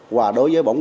và đối với bọn quân